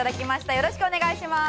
よろしくお願いします。